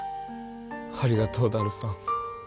ありがとうダルさん。